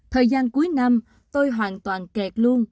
thời gian cuối năm tôi hoàn toàn kẹt luôn